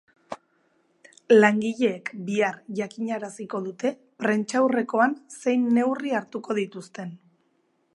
Langileek bihar jakinaraziko dute, prentsaurrekoan, zein neurri hartuko dituzten.